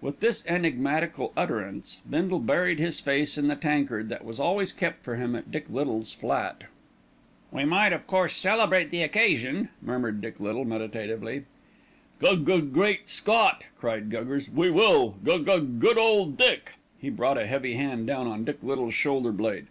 With this enigmatical utterance, Bindle buried his face in the tankard that was always kept for him at Dick Little's flat. "We might of course celebrate the occasion," murmured Dick Little meditatively. "Gug gug great Scott!" cried Guggers. "We will! Gug gug good old Dick!" He brought a heavy hand down on Dick Little's shoulder blade.